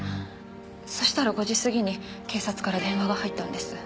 そうしたら５時過ぎに警察から電話が入ったんです。